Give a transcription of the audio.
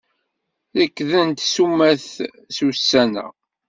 Rekdent ssumat ussan-a.